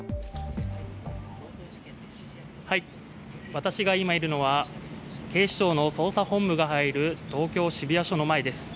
私が今いるのは警視庁の捜査本部が入る東京・渋谷署の前です。